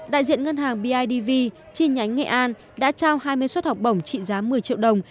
đại diện ngân hàng bidv chi nhánh nghệ an đã trao hai mươi suất học bổng trị giá một mươi triệu đồng